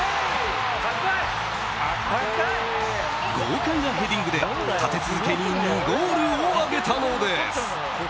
豪快なヘディングで、立て続けに２ゴールを挙げたのです。